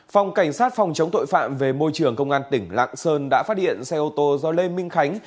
phòng cảnh sát phòng chống tội phạm về môi trường công an tỉnh lạng sơn đã phát hiện xe ô tô do lê minh khánh